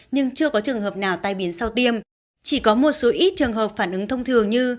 nhưng chưa có trường hợp nào tai biến sau tiêm chỉ có một số ít trường hợp phản ứng thông thường như